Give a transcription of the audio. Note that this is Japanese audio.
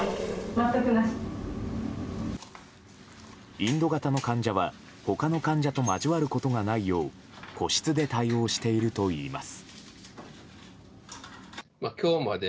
インド型の患者は他の患者と交わることがないよう個室で対応しているといいます。